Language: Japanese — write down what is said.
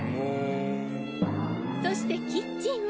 そしてキッチンは？